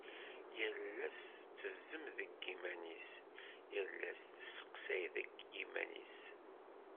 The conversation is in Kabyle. Yal ass tettezzem deg yiman-is, yal ass testeqsay deg yiman-is.